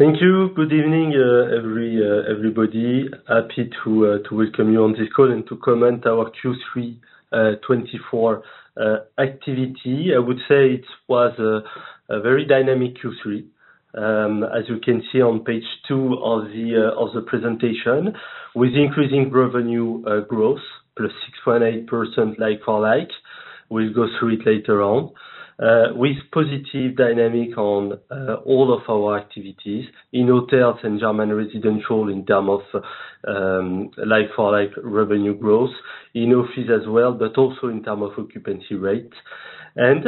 Thank you. Good evening, everybody. Happy to welcome you on this call and to comment our Q3 2024 activity. I would say it was a very dynamic Q3. As you can see on page two of the presentation, with increasing revenue growth, plus 6.8% like-for-like. We'll go through it later on. With positive dynamic on all of our activities in hotels and German residential, in term of like-for-like revenue growth, in office as well, but also in term of occupancy rate. And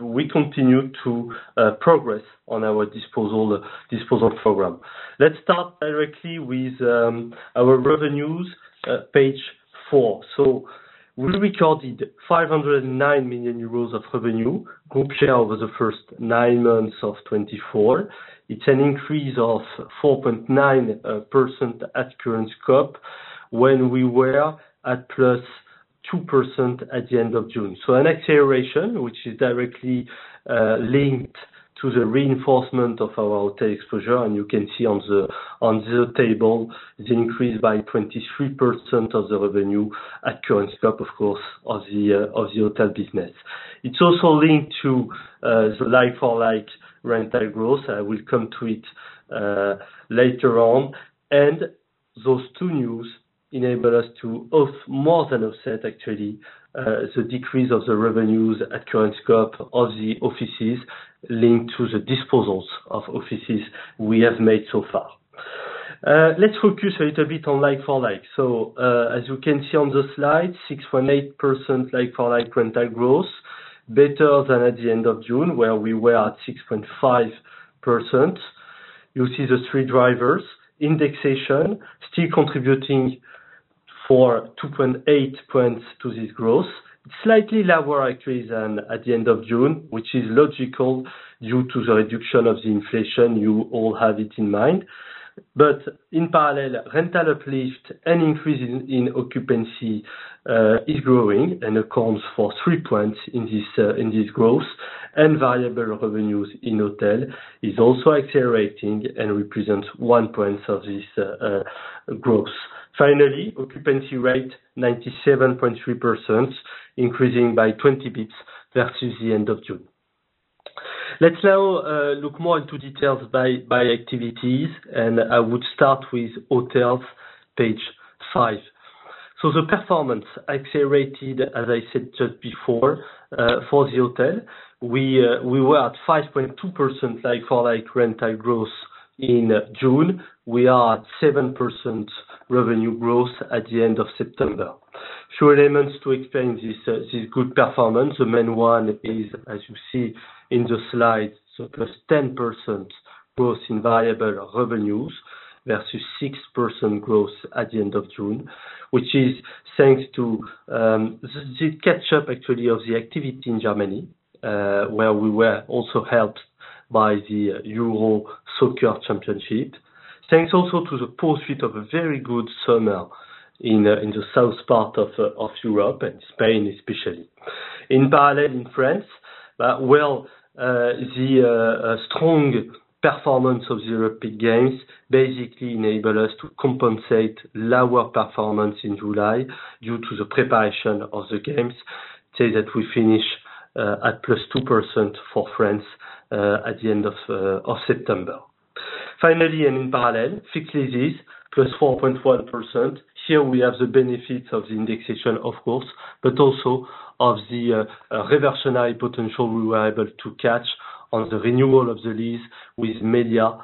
we continue to progress on our disposal program. Let's start directly with our revenues, page four. So we recorded 509 million euros of revenue, group share, over the first nine months of 2024. It's an increase of 4.9% at current scope, when we were at +2% at the end of June, so an acceleration, which is directly linked to the reinforcement of our hotel exposure, and you can see on the table the increase by 23% of the revenue at current scope, of course, of the hotel business. It's also linked to the like-for-like rental growth. I will come to it later on, and those two news enable us to more than offset actually the decrease of the revenues at current scope of the offices linked to the disposals of offices we have made so far. Let's focus a little bit on like-for-like. So, as you can see on the slide, 6.8% like-for-like rental growth, better than at the end of June, where we were at 6.5%. You see the three drivers. Indexation still contributing for 2.8 points to this growth. Slightly lower, actually, than at the end of June, which is logical due to the reduction of the inflation. You all have it in mind. But in parallel, rental uplift and increase in, in occupancy, is growing and accounts for three points in this, in this growth. And variable revenues in hotel is also accelerating and represents one point of this, growth. Finally, occupancy rate 97.3%, increasing by twenty basis points versus the end of June. Let's now, look more into details by, by activities, and I would start with hotels, page five. So the performance accelerated, as I said just before, for the hotel. We were at 5.2% like-for-like rental growth in June. We are at 7% revenue growth at the end of September. Several elements to explain this good performance. The main one is, as you see in the slide, so +10% growth in variable revenues versus 6% growth at the end of June, which is thanks to the catch up, actually, of the activity in Germany, where we were also helped by the Euro Soccer Championship. Thanks also to the pursuit of a very good summer in the south part of Europe and Spain, especially. In parallel, in France, well, the strong performance of the Olympic Games basically enable us to compensate lower performance in July due to the preparation of the games, so that we finish at plus 2% for France at the end of September. Finally, and in parallel, fixed leases plus 4.1%. Here we have the benefits of the indexation, of course, but also of the reversionary potential we were able to catch on the renewal of the lease with Meliá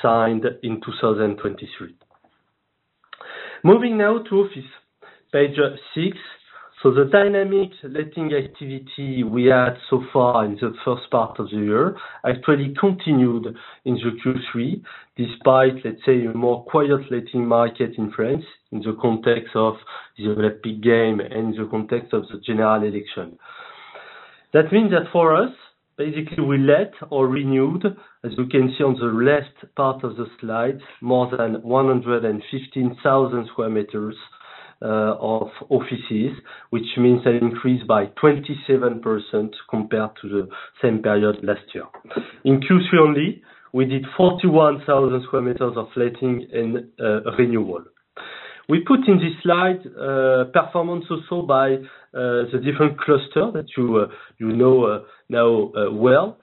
signed in 2023. Moving now to office, page six, so the dynamic letting activity we had so far in the first part of the year actually continued into Q3, despite, let's say, a more quiet letting market in France in the context of the Olympic Games and the context of the general election. That means that for us, basically, we let or renewed, as you can see on the left part of the slide, more than 115,000 square meters of offices, which means an increase by 27% compared to the same period last year. In Q3 only, we did 41,000 square meters of letting and renewal. We put in this slide performance also by the different cluster that you know now well.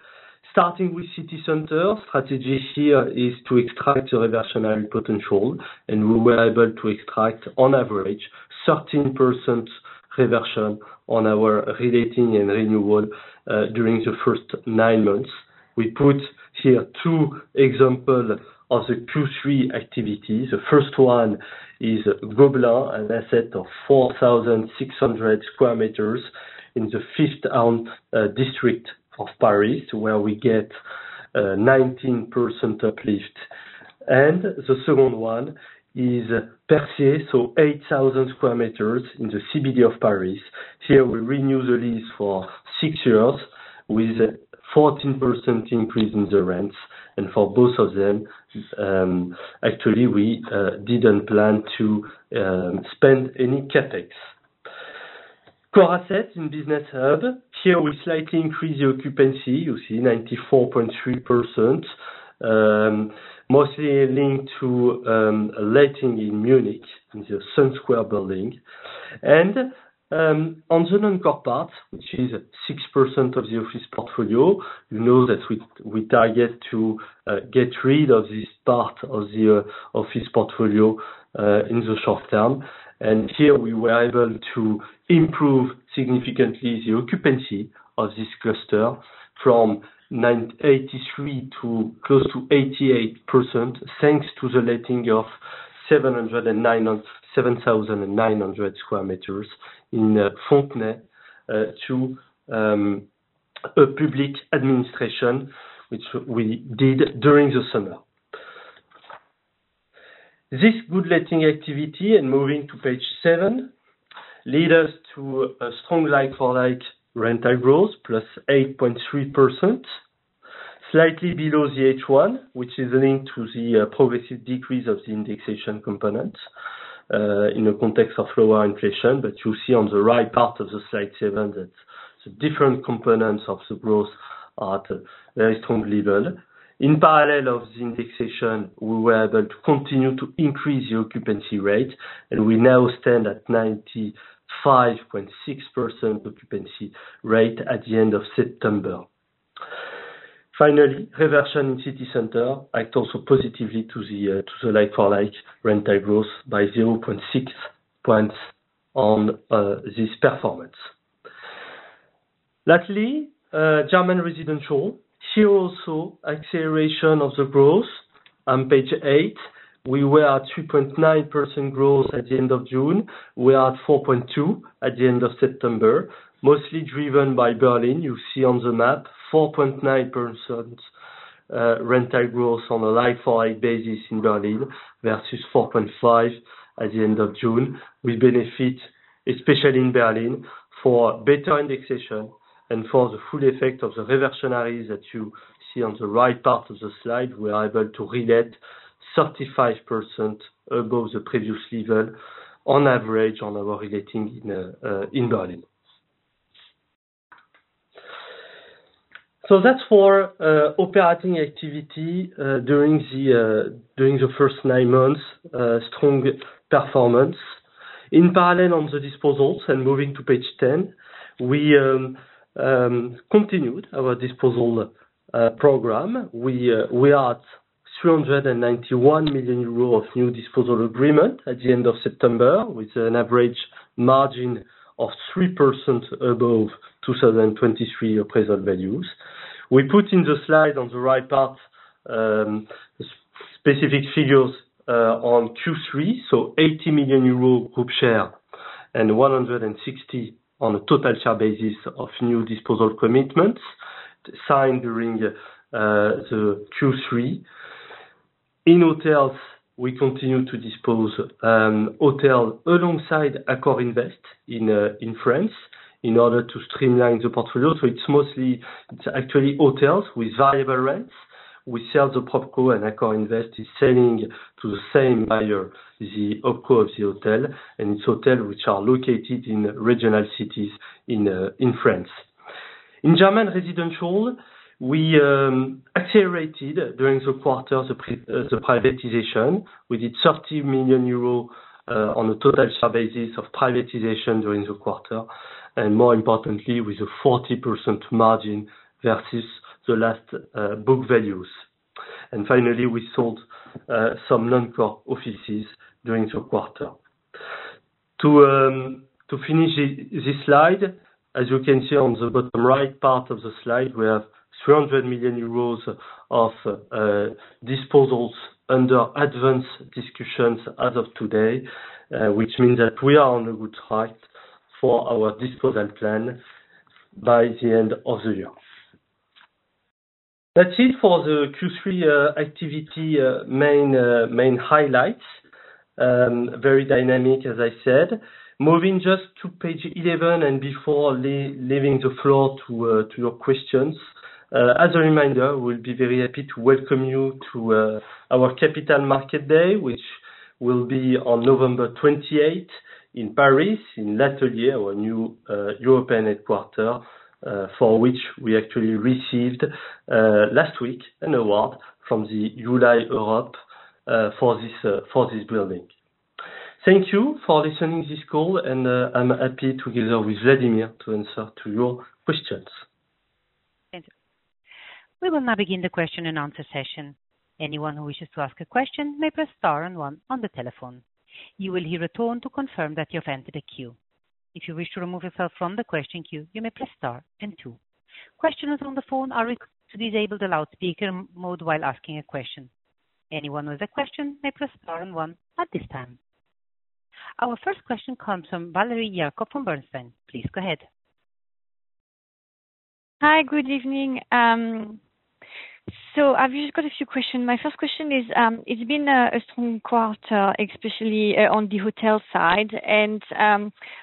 Starting with city center, strategy here is to extract the reversionary potential, and we were able to extract, on average, 13% reversion on our letting and renewal during the first nine months. We put here two examples of the Q3 activity. The first one is Gobert, an asset of 4,600 square meters in the Fifth District of Paris, where we get 19% uplift. The second one is Percier, so 8,000 square meters in the CBD of Paris. Here we renew the lease for six years with 14% increase in the rents, and for both of them, actually, we didn't plan to spend any CapEx. Core assets in business hub, here we slightly increase the occupancy, you see 94.3%, mostly linked to letting in Munich, in the Sun Square building. On the non-core part, which is 6% of the office portfolio, you know that we target to get rid of this part of the office portfolio in the short term. Here, we were able to improve significantly the occupancy of this cluster from 98.3% to close to 88%, thanks to the letting of 7,900 square meters in Fontenay to a public administration, which we did during the summer. This good letting activity, and moving to page seven, lead us to a strong like-for-like rental growth, +8.3%, slightly below the H1, which is linked to the progressive decrease of the indexation component in the context of lower inflation. But you see on the right part of the slide seven, that the different components of the growth are at a very strong level. In parallel of the indexation, we were able to continue to increase the occupancy rate, and we now stand at 95.6% occupancy rate at the end of September. Finally, reversion in city center assets also positively to the like-for-like rental growth by 0.6 points on this performance. Lastly, German residential. Here also, acceleration of the growth. On page eight, we were at 2.9% growth at the end of June. We are at 4.2% at the end of September, mostly driven by Berlin. You see on the map, 4.9% rental growth on a like-for-like basis in Berlin, versus 4.5% at the end of June. We benefit, especially in Berlin, for better indexation and for the full effect of the reversionaries that you see on the right part of the slide. We are able to relet 35% above the previous level, on average, on our reletting in Berlin. So that's for operating activity during the first nine months, strong performance. In parallel on the disposals, and moving to page 10, we continued our disposal program. We are at 391 million euros of new disposal agreement at the end of September, with an average margin of 3% above 2023 appraisal values. We put in the slide on the right part specific figures on Q3, so 80 million euro group share, and 160 on a total share basis of new disposal commitments signed during the Q3. In hotels, we continue to dispose hotel alongside AccorInvest in France, in order to streamline the portfolio. So it's mostly, it's actually hotels with valuable rents. We sell the Propco and AccorInvest is selling to the same buyer, the Opco of the hotel, and it's hotels which are located in regional cities in France. In German residential, we accelerated during the quarter the privatization. We did 30 million euros on a total share basis of privatization during the quarter, and more importantly, with a 40% margin versus the last book values. Finally, we sold some non-core offices during the quarter. To finish this slide, as you can see on the bottom right part of the slide, we have 300 million euros of disposals under advanced discussions as of today, which means that we are on a good track for our disposal plan by the end of the year. That's it for the Q3 activity main highlights. Very dynamic, as I said. Moving just to page 11, and before leaving the floor to your questions. As a reminder, we'll be very happy to welcome you to our Capital Market Day, which will be on November 28 in Paris, in L'Atelier, our new European headquarters, for which we actually received last week an award from the ULI Europe, for this building. Thank you for listening this call, and I'm happy, together with Vladimir, to answer to your questions. Thank you. We will now begin the question and answer session. Anyone who wishes to ask a question may press star and one on the telephone. You will hear a tone to confirm that you have entered a queue. If you wish to remove yourself from the question queue, you may press star and two. Questions on the phone are requested to disable the loudspeaker mute mode while asking a question. Anyone with a question may press star and one at this time. Our first question comes from Valérie Jacob from Bernstein. Please go ahead. Hi, good evening, so I've just got a few questions. My first question is, it's been a strong quarter, especially on the hotel side. I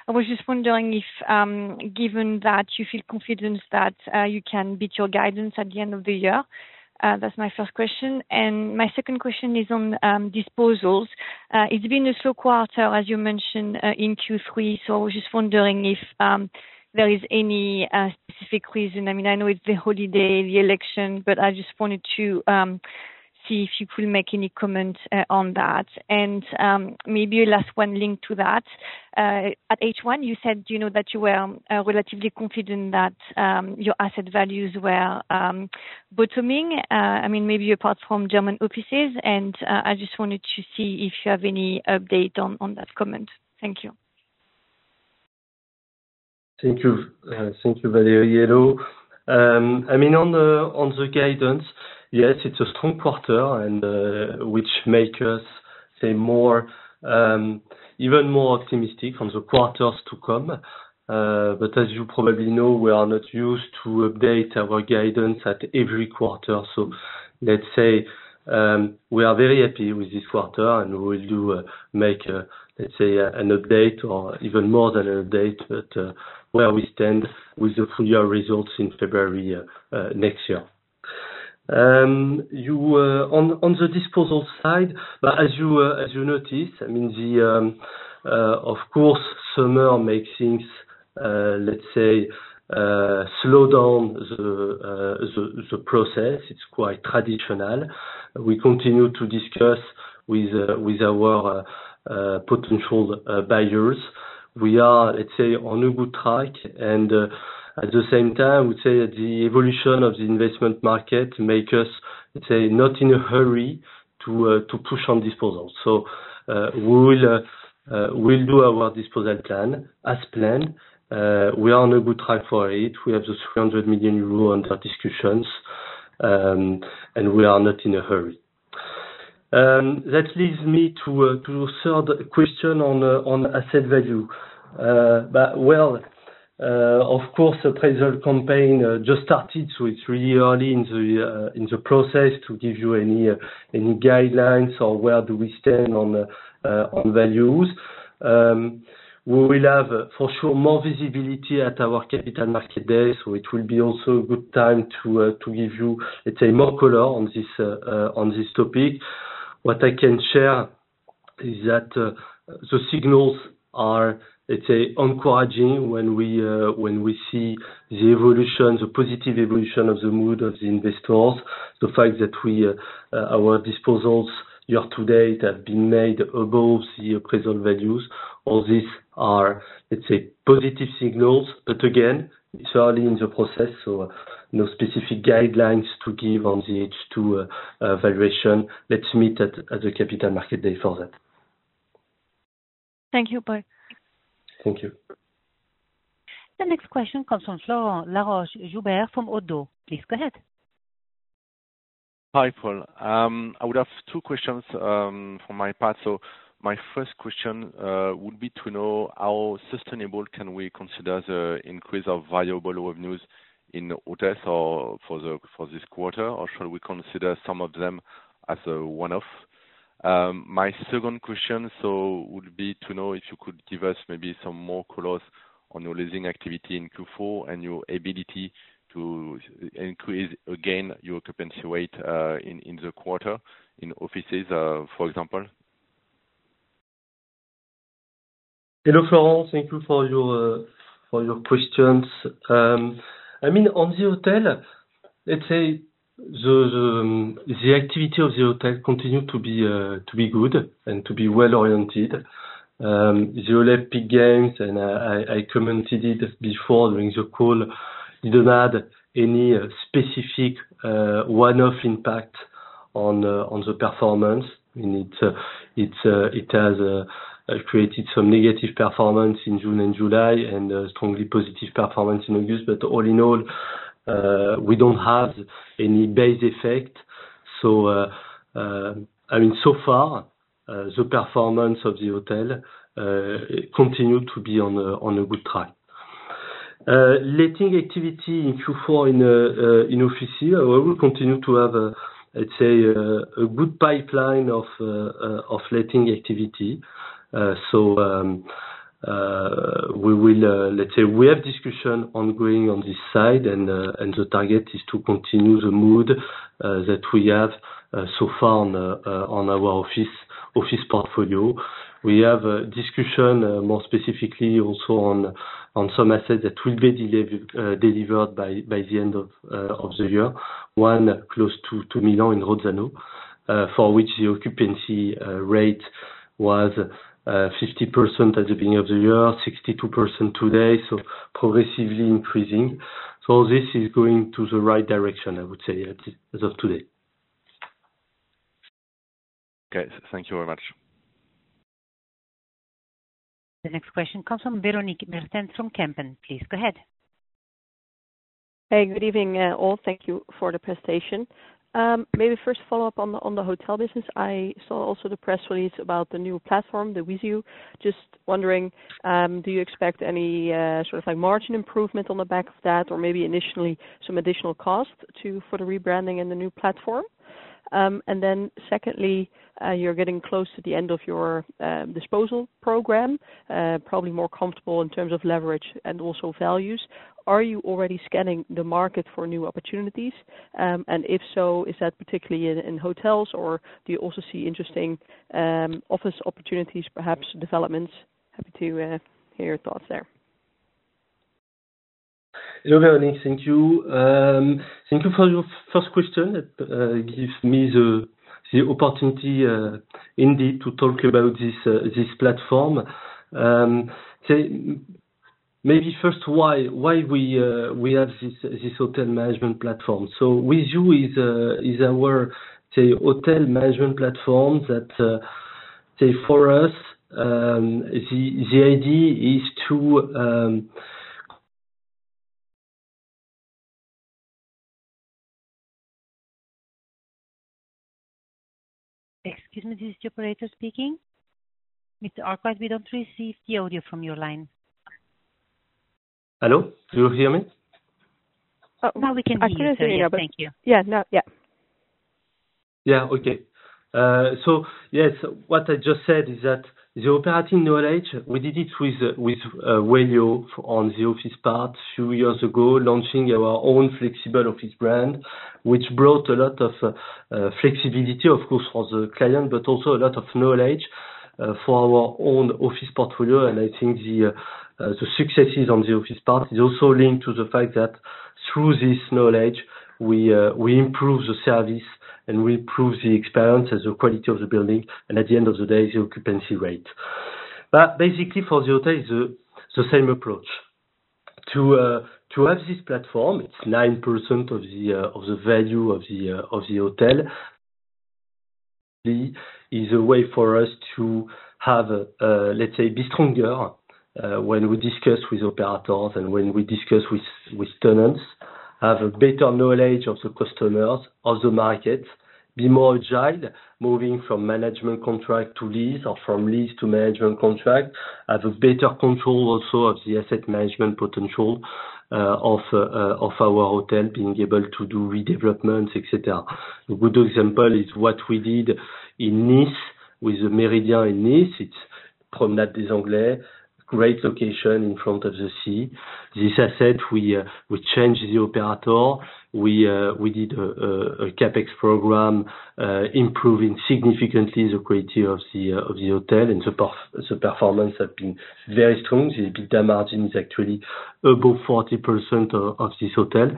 was just wondering if, given that you feel confident that you can beat your guidance at the end of the year? That's my first question. My second question is on disposals. It's been a slow quarter, as you mentioned, in Q3, so I was just wondering if there is any specific reason. I mean, I know it's the holiday, the election, but I just wanted to see if you could make any comment on that. Maybe a last one linked to that, at H1, you said, you know, that you were relatively confident that your asset values were bottoming. I mean, maybe apart from German offices, and I just wanted to see if you have any update on that comment. Thank you. Thank you. Thank you, Valérie. I mean, on the guidance, yes, it's a strong quarter, and which makes us say more even more optimistic on the quarters to come. But as you probably know, we are not used to update our guidance at every quarter. So let's say, we are very happy with this quarter, and we will make let's say, an update or even more than an update, but where we stand with the full year results in February next year. On the disposal side, but as you noticed, I mean, the of course, summer makes things let's say slow down the the process. It's quite traditional. We continue to discuss with our potential buyers. We are, let's say, on a good track, and at the same time, I would say that the evolution of the investment market make us, let's say, not in a hurry to push on disposals. So, we'll do our disposal plan, as planned. We are on a good track for it. We have the 300 million euro under discussions, and we are not in a hurry. That leads me to a third question on asset value, but well, of course, the appraisal campaign just started, so it's really early in the process to give you any guidelines or where do we stand on values. We will have, for sure, more visibility at our Capital Markets Day, so it will be also a good time to give you, let's say, more color on this topic. What I can share is that the signals are, let's say, encouraging when we see the evolution, the positive evolution of the mood of the investors. The fact that our disposals, year-to-date, have been made above the appraisal values. All these are, let's say, positive signals, but again, it's early in the process, so no specific guidelines to give on the H2 valuation. Let's meet at the Capital Markets Day for that. Thank you, bye. Thank you. The next question comes from Florent Laroche-Joubert from Oddo BHF. Please go ahead. Hi, Paul. I would have two questions from my part. So my first question would be to know how sustainable can we consider the increase of variable revenues in hotels for this quarter, or should we consider some of them as a one-off? My second question would be to know if you could give us maybe some more color on your leasing activity in Q4 and your ability to increase again your occupancy rate in the quarter in offices for example. Hello, Florent. Thank you for your questions. I mean, on the hotel, let's say, the activity of the hotel continue to be good and to be well-oriented. The Olympic Games, and I commented it before during the call, didn't add any specific one-off impact on the performance. I mean, it has created some negative performance in June and July, and strongly positive performance in August. But all in all, we don't have any base effect. So, I mean, so far, the performance of the hotel continue to be on a good track. Letting activity in Q4 in office here, we will continue to have, let's say, a good pipeline of letting activity. So, let's say, we have discussion ongoing on this side, and the target is to continue the mood that we have so far on our office portfolio. We have a discussion more specifically also on some assets that will be delivered by the end of the year. One close to Milan, in Rozzano, for which the occupancy rate was 50% at the beginning of the year, 62% today, so progressively increasing. This is going to the right direction, I would say, as of today. Okay. Thank you very much. The next question comes from Véronique Meertens from Kempen. Please go ahead. Hey, good evening, all. Thank you for the presentation. Maybe first follow up on the hotel business. I saw also the press release about the new platform, the WiZiU. Just wondering, do you expect any sort of like margin improvement on the back of that, or maybe initially some additional costs for the rebranding and the new platform? And then secondly, you're getting close to the end of your disposal program, probably more comfortable in terms of leverage and also values. Are you already scanning the market for new opportunities? And if so, is that particularly in hotels, or do you also see interesting office opportunities, perhaps developments? Happy to hear your thoughts there. ... Hello, Véronique. Thank you. Thank you for your first question. Gives me the opportunity, indeed, to talk about this platform. Maybe first, why we have this hotel management platform? So WiZiU is our hotel management platform that for us, the idea is to Excuse me, this is the operator speaking. Mr. Arkwright, we don't receive the audio from your line. Hello, do you hear me? Now we can hear you, sir. Thank you. I can hear you, but yeah, now yeah. Yeah, okay. So yes, what I just said is that the operating knowledge, we did it with Wellio on the office part few years ago, launching our own flexible office brand, which brought a lot of flexibility, of course, for the client, but also a lot of knowledge for our own office portfolio. And I think the successes on the office part is also linked to the fact that through this knowledge, we improve the service, and we improve the experience and the quality of the building, and at the end of the day, the occupancy rate. But basically for the hotel, is the same approach. To have this platform, it's 9% of the value of the hotel. There is a way for us to have a, let's say, be stronger, when we discuss with operators and when we discuss with tenants. Have a better knowledge of the customers, of the market, be more agile, moving from management contract to lease or from lease to management contract. Have a better control also of the asset management potential, of our hotel, being able to do redevelopments, et cetera. A good example is what we did in Nice, with the Méridien in Nice. It's Promenade des Anglais, great location in front of the sea. This asset, we changed the operator. We did a CapEx program, improving significantly the quality of the hotel, and the performance have been very strong. The EBITDA margin is actually above 40% of this hotel.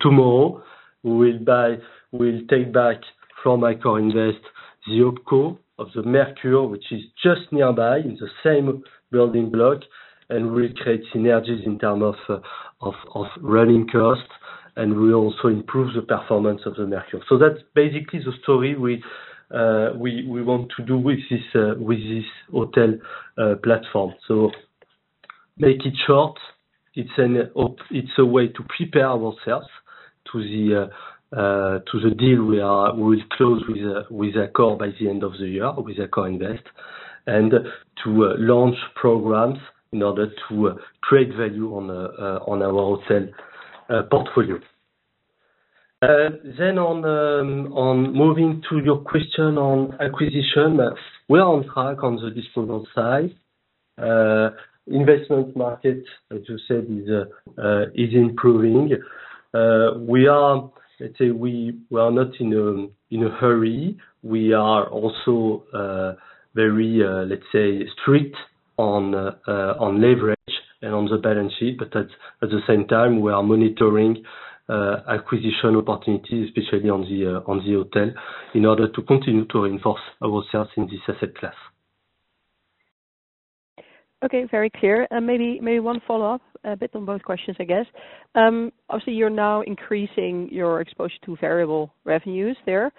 Tomorrow, we'll take back from Eco Invest the opco of the Mercure, which is just nearby in the same building block, and will create synergies in terms of running costs, and we also improve the performance of the Mercure. That's basically the story we want to do with this hotel platform. Make it short, it's a way to prepare ourselves to the deal we will close with Accor by the end of the year, with AccorInvest. To launch programs in order to create value on our hotel portfolio. On moving to your question on acquisition, we are on track on the disposal side. Investment market, as you said, is improving. We are, let's say, not in a hurry. We are also very, let's say, strict on leverage and on the balance sheet. But at the same time, we are monitoring acquisition opportunities, especially on the hotel, in order to continue to reinforce ourselves in this asset class. Okay, very clear. And maybe, maybe one follow-up, a bit on both questions, I guess. Obviously you're now increasing your exposure to variable revenues there,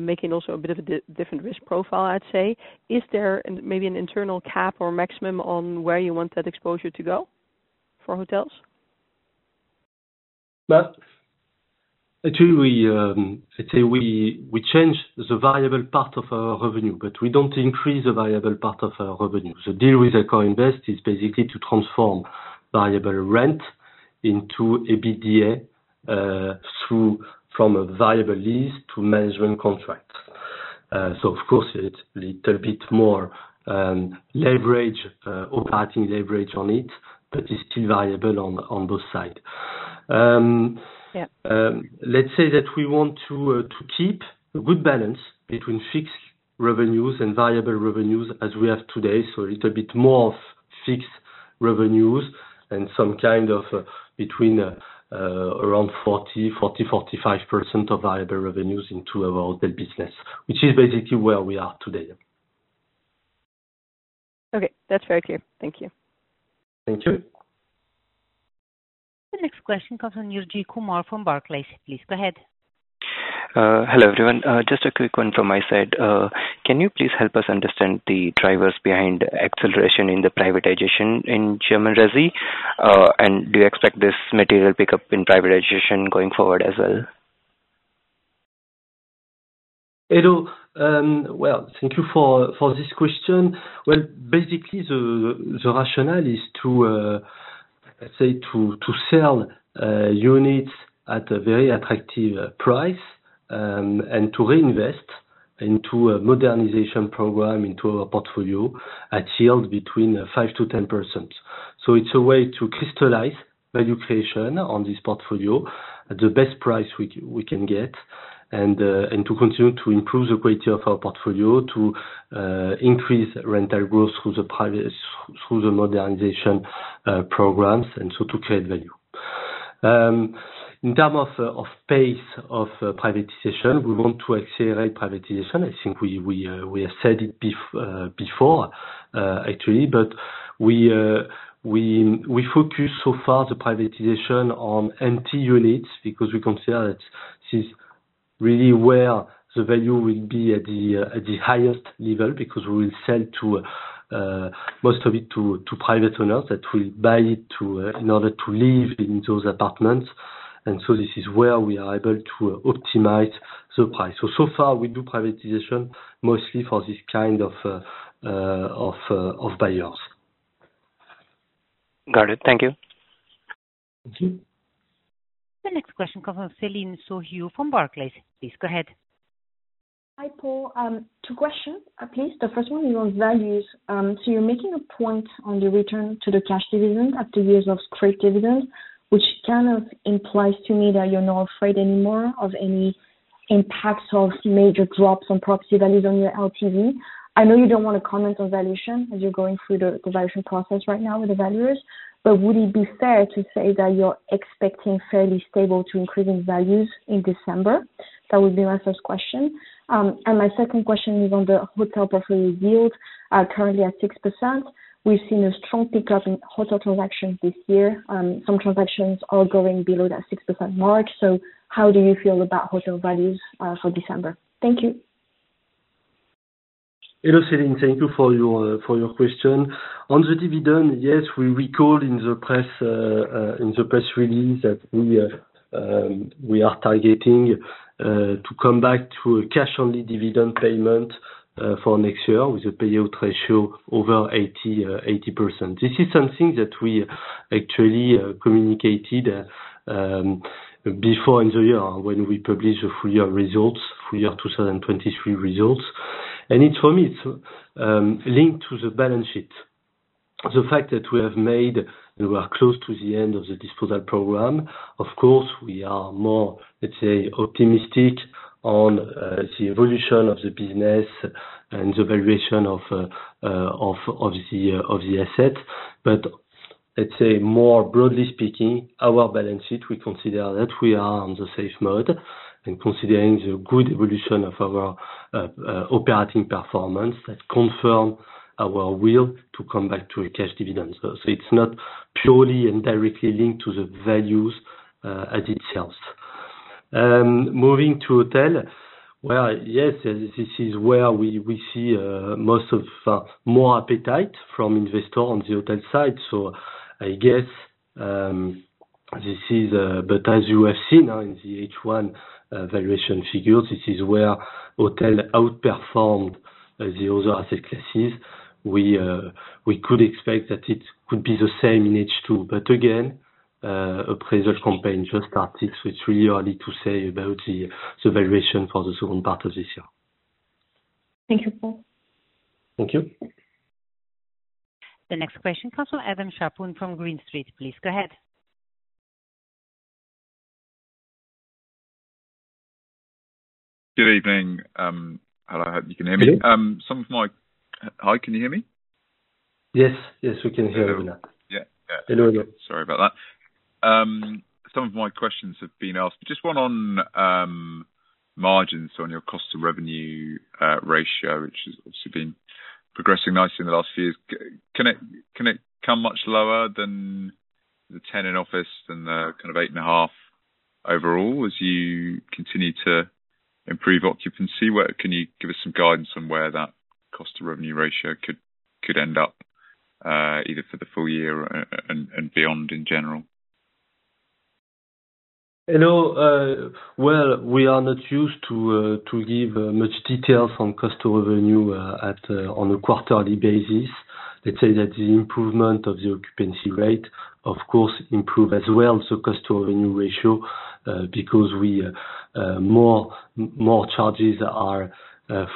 making also a bit of a different risk profile, I'd say. Is there maybe an internal cap or maximum on where you want that exposure to go for hotels? Actually, I'd say we change the variable part of our revenue, but we don't increase the variable part of our revenue. The deal with AccorInvest is basically to transform variable rent into EBITDA from a variable lease to management contract. So of course, it's little bit more leverage, operating leverage on it, but it's still variable on both sides. Yeah. Let's say that we want to keep a good balance between fixed revenues and variable revenues as we have today. A little bit more of fixed revenues and around 40%-45% of variable revenues into our hotel business, which is basically where we are today. Okay, that's very clear. Thank you. Thank you. The next question comes from Niraj Kumar, from Barclays. Please go ahead. Hello, everyone. Just a quick one from my side. Can you please help us understand the drivers behind acceleration in the privatization in Germany, and do you expect this material pickup in privatization going forward as well? Hello. Well, thank you for this question. Well, basically, the rationale is to, let's say, to sell units at a very attractive price, and to reinvest into a modernization program into our portfolio, a yield between 5%-10%. So it's a way to crystallize value creation on this portfolio at the best price we can get and to continue to improve the quality of our portfolio, to increase rental growth through the privatization through the modernization programs, and so to create value. In terms of pace of privatization, we want to accelerate privatization. I think we have said it before, actually, but we focus so far the privatization on empty units, because we consider that this is really where the value will be at the highest level, because we will sell to most of it to private owners that will buy it to in order to live in those apartments. And so this is where we are able to optimize the price. So far, we do privatization mostly for this kind of buyers. Got it. Thank you. Thank you. The next question comes from Céline Soo-Hu from Barclays. Please go ahead. Hi, Paul. Two questions. At least the first one is on values. So you're making a point on the return to the cash dividend after years of straight dividend, which kind of implies to me that you're not afraid anymore of any impacts of major drops on property values on your LTV. I know you don't want to comment on valuation, as you're going through the valuation process right now with the valuers, but would it be fair to say that you're expecting fairly stable to increasing values in December? That would be my first question. And my second question is on the hotel portfolio yield, currently at 6%. We've seen a strong pickup in hotel transactions this year. Some transactions are going below that 6% mark, so how do you feel about hotel values for December? Thank you. Hello, Céline, thank you for your for your question. On the dividend, yes, we recalled in the press, in the press release, that we are targeting to come back to a cash-only dividend payment for next year, with the payout ratio over 80%. This is something that we actually communicated before in the year when we published the full year results, full year 2023 results. And it's, for me, it's linked to the balance sheet. The fact that we have made, we are close to the end of the disposal program, of course, we are more, let's say, optimistic on the evolution of the business and the valuation of the assets. But let's say, more broadly speaking, our balance sheet, we consider that we are on the safe side, and considering the good evolution of our operating performance, that confirm our will to come back to a cash dividend, so it's not purely and directly linked to the value as is. Moving to hotel, well, yes, this is where we see more appetite from investors on the hotel side, so I guess this is. But as you have seen now in the H1 valuation figures, this is where hotel outperformed the other asset classes. We could expect that it could be the same in H2, but again, appraisal campaign just started, so it's really early to say about the valuation for the second part of this year. Thank you, Paul. Thank you. The next question comes from Adam Shapton from Green Street. Please go ahead. Good evening. Hello, hope you can hear me. Good evening. Hi, can you hear me? Yes, yes, we can hear you now. Yeah. Yeah. Hello again. Sorry about that. Some of my questions have been asked, but just one on margins on your cost to revenue ratio, which has also been progressing nicely in the last few years. Can it come much lower than the 10% in office and the kind of 8.5% overall, as you continue to improve occupancy? Can you give us some guidance on where that cost to revenue ratio could end up, either for the full year and beyond in general? You know, well, we are not used to give much detail from cost to revenue on a quarterly basis. Let's say that the improvement of the occupancy rate, of course, improve as well, so cost to revenue ratio because more charges are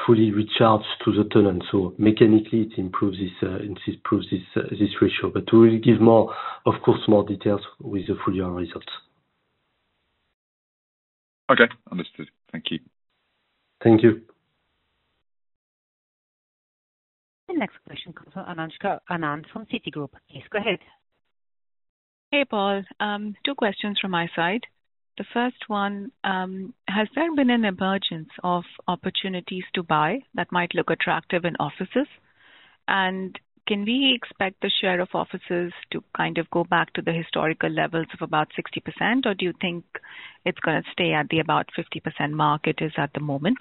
fully recharged to the tenant. So mechanically, it improves this ratio. But we will give more, of course, more details with the full year results. Okay, understood. Thank you. Thank you. The next question comes from Anoushka Anand from Citigroup. Please go ahead. Hey, Paul. Two questions from my side. The first one, has there been an emergence of opportunities to buy that might look attractive in offices? And can we expect the share of offices to kind of go back to the historical levels of about 60%, or do you think it's gonna stay at the about 50% mark it is at the moment?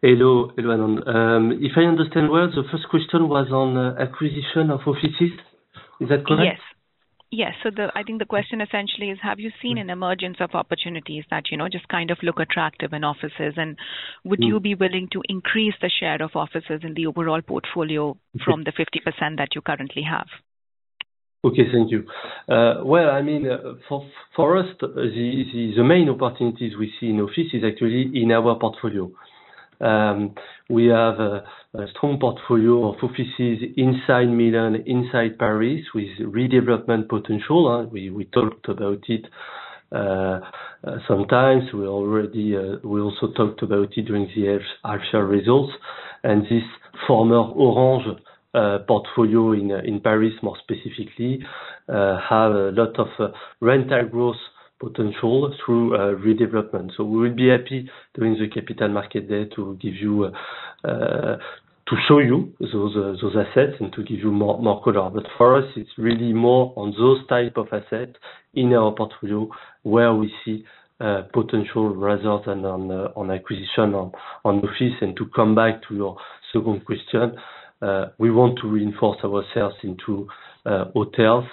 Hello, Anand. If I understand well, the first question was on acquisition of offices. Is that correct? Yes. Yes. So, I think the question essentially is, have you seen an emergence of opportunities that, you know, just kind of look attractive in offices? Mm. Would you be willing to increase the share of offices in the overall portfolio? Mm-hmm. from the 50% that you currently have? Okay, thank you. Well, I mean, for us, the main opportunities we see in office is actually in our portfolio. We have a strong portfolio of offices inside Milan, inside Paris, with redevelopment potential. We talked about it sometimes. We already also talked about it during the half-year results, and this former Orange portfolio in Paris, more specifically, have a lot of rental growth potential through redevelopment, so we will be happy during the Capital Markets Day to show you those assets and to give you more color, but for us, it's really more on those type of assets in our portfolio where we see potential results and on acquisition on office. And to come back to your second question, we want to reinforce ourselves into hotels,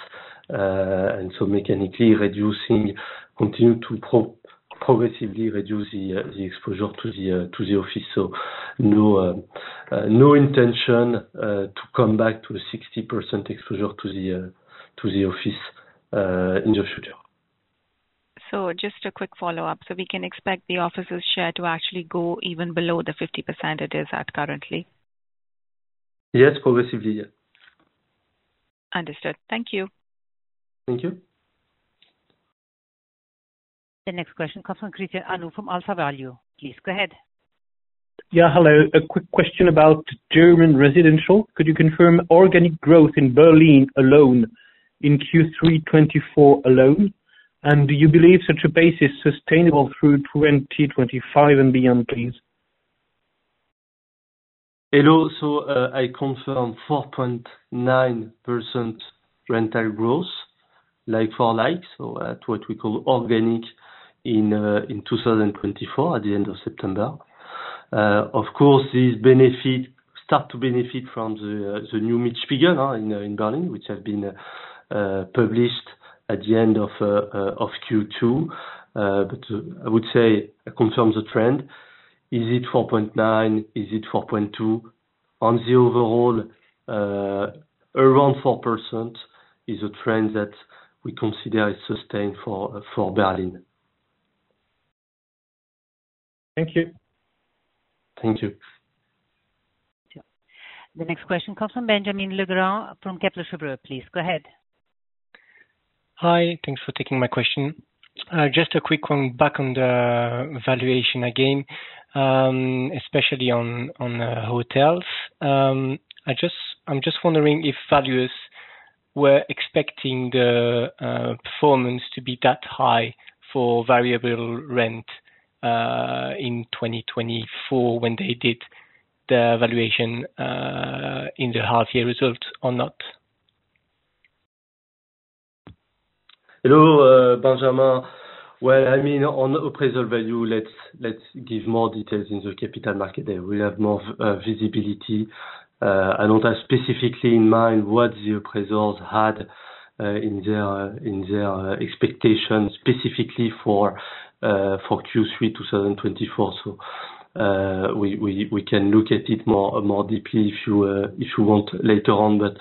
and so mechanically continue to progressively reduce the exposure to the office. So no, no intention to come back to the 60% exposure to the office in the future. So just a quick follow-up. So we can expect the office's share to actually go even below the 50% it is at currently? Yes, progressively, yeah. Understood. Thank you. Thank you. The next question comes from Christian Awe from AlphaValue. Please go ahead. Yeah, hello. A quick question about German residential. Could you confirm organic growth in Berlin alone in Q3 2024 alone? And do you believe such a pace is sustainable through 2025 and beyond, please? Hello, so I confirm 4.9% rental growth, like for like, so at what we call organic, in 2024, at the end of September. Of course, this benefit start to benefit from the new in Berlin, which has been published at the end of Q2. But I would say I confirm the trend. Is it 4.9? Is it 4.2? On the overall, around 4% is a trend that we consider is sustained for Berlin. Thank you. Thank you. The next question comes from Benjamin Legrand from Kepler Cheuvreux. Please, go ahead. Hi, thanks for taking my question. Just a quick one back on the valuation again, especially on hotels. I just, I'm just wondering if valuers were expecting the performance to be that high for variable rent in twenty twenty-four, when they did the valuation in the half-year results or not? Hello, Benjamin. Well, I mean, on appraisal value, let's give more details in the Capital Markets Day there. We have more visibility. I don't have specifically in mind what the appraisers had in their expectation, specifically for Q3 two thousand and twenty-four. So, we can look at it more deeply if you want later on. But,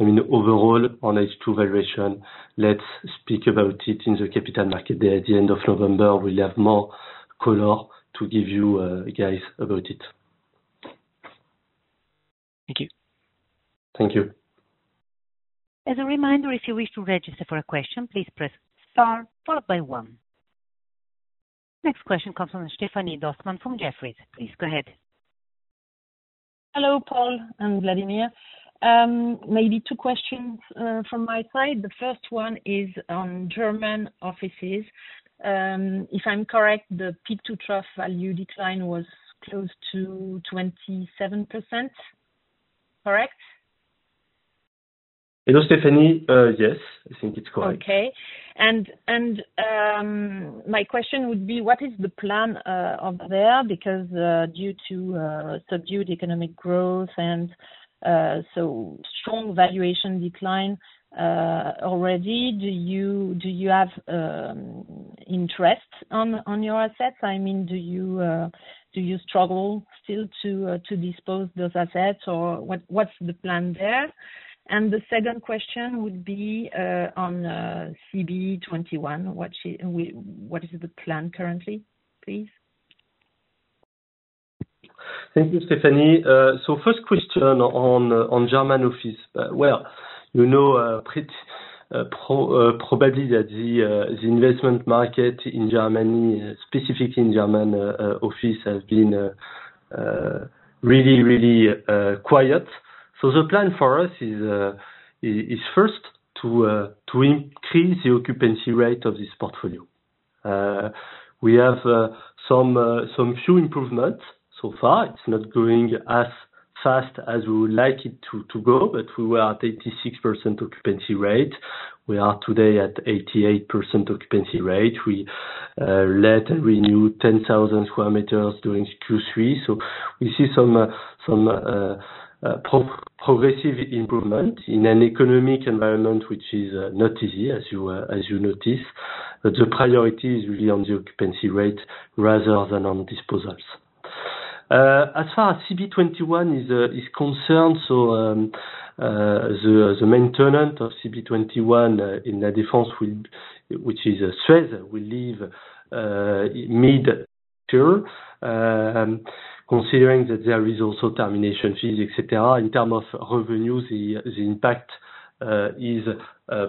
I mean, overall, on H2 valuation, let's speak about it in the Capital Markets Day. At the end of November, we'll have more color to give you, guys, about it. Thank you. Thank you. As a reminder, if you wish to register for a question, please press Star followed by One. Next question comes from Stéphanie Dossmann from Jefferies. Please go ahead. Hello, Paul and Vladimir. Maybe two questions from my side. The first one is on German offices. If I'm correct, the peak to trough value decline was close to 27%. Correct? Hello, Stephanie. Yes, I think it's correct. Okay. My question would be: What is the plan of there? Because due to subdued economic growth and so strong valuation decline already, do you have interest on your assets? I mean, do you struggle still to dispose those assets? Or what's the plan there? And the second question would be on CB21. What is the plan currently, please? Thank you, Stéphanie. So first question on German office. Well, you know, probably that the investment market in Germany, specifically in German office, has been really, really quiet. So the plan for us is first to increase the occupancy rate of this portfolio. We have some few improvements so far. It's not going as fast as we would like it to go, but we were at 86% occupancy rate. We are today at 88% occupancy rate. We let renew 10,000 square meters during Q3. So we see some progressive improvement in an economic environment, which is not easy, as you notice. But the priority is really on the occupancy rate rather than on disposals. As far as CB21 is concerned, so the main tenant of CB21 in La Défense, which is Suez, will leave mid-term. Considering that there is also termination fees, et cetera, in terms of revenue, the impact is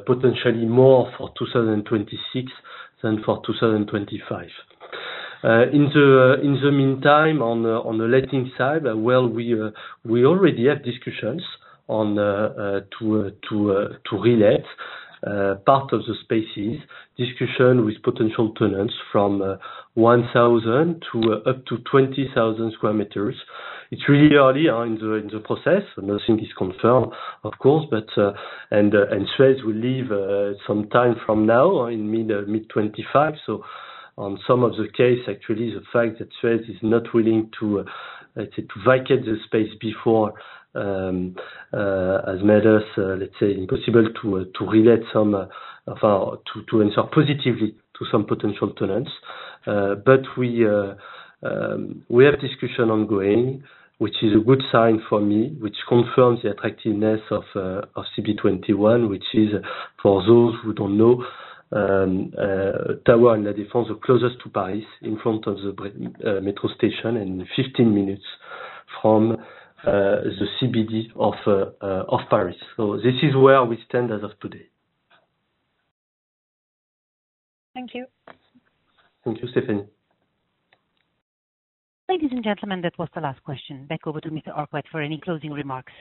potentially more for 2026 than for 2025. In the meantime, on the letting side, well, we already have discussions to re-let part of the spaces. Discussion with potential tenants from 1,000 to up to 20,000 square meters. It's really early on in the process, and nothing is confirmed, of course, but and Thread will leave some time from now, in mid-2025. So in some cases, actually, the fact that Thread is not willing to, let's say, to vacate the space before has made us, let's say, impossible to to re-let some of our... To to answer positively to some potential tenants. But we have discussion ongoing, which is a good sign for me, which confirms the attractiveness of CB21, which is, for those who don't know, tower in La Défense, the closest to Paris, in front of the metro station, and fifteen minutes from the CBD of Paris. So this is where we stand as of today. Thank you. Thank you, Stéphanie. Ladies and gentlemen, that was the last question. Back over to Mr. Arkwright for any closing remarks.